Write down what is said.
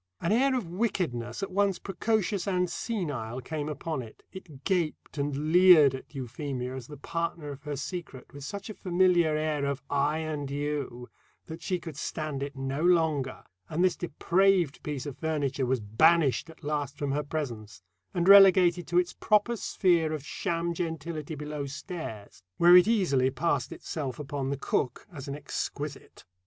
An air of wickedness, at once precocious and senile, came upon it; it gaped and leered at Euphemia as the partner of her secret with such a familiar air of "I and you" that she could stand it no longer, and this depraved piece of furniture was banished at last from her presence, and relegated to its proper sphere of sham gentility below stairs, where it easily passed itself upon the cook as an exquisite.